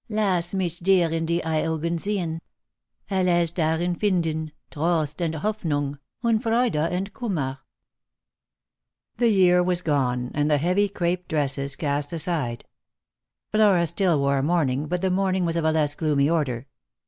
Lass mioh dir In die Augen when ; alles darin finden, Trost und Hoffnung, und Freude und Ktimmer." \ The year was gone, and the heavy crape dresses cast aside. Flora still wore mourning, but the mourning was of a less gloomy order.